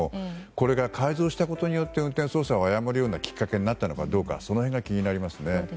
これが、改造したことによって運転操作を誤るようなきっかけになったのかどうかその辺が気になりますね。